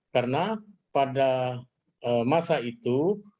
karena pada masa itu